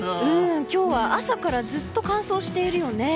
今日は朝からずっと乾燥しているよね。